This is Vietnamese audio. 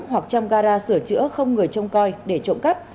hoặc trong gara sửa chữa không người trông coi để trộm cắp